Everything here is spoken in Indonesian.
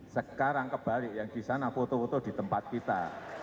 sekarang kebalik yang di sana foto foto di tempat kita